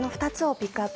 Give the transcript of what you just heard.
ピックアップ